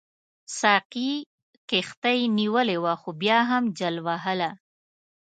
ساقي کښتۍ نیولې وه خو بیا هم جل وهله.